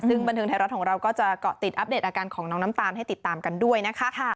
ซึ่งบันเทิงไทยรัฐของเราก็จะเกาะติดอัปเดตอาการของน้องน้ำตาลให้ติดตามกันด้วยนะคะ